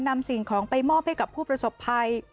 สิ่งของไปมอบให้กับผู้ประสบภัย